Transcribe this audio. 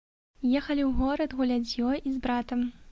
Ехалі ў горад гуляць з ёй і з братам.